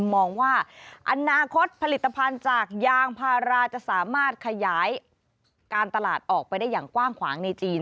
มองว่าอนาคตผลิตภัณฑ์จากยางพาราจะสามารถขยายการตลาดออกไปได้อย่างกว้างขวางในจีน